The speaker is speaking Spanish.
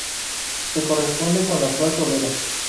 Se corresponde con la actual Toledo.